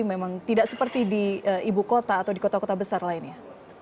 memang tidak seperti di ibu kota atau di kota kota besar lainnya